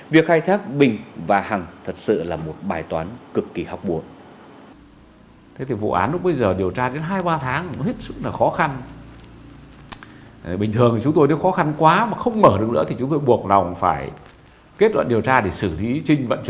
việc khai thác bình và hằng thật sự là một bài toán cực kỳ học bổng